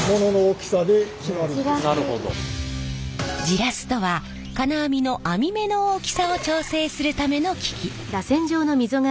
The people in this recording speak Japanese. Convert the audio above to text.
ジラスとは金網の編み目の大きさを調整するための機器。